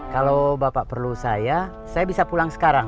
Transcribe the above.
kalau bapak perlu saya saya bisa pulang sekarang